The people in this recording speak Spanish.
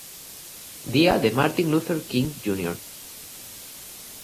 Día de Martin Luther King Jr.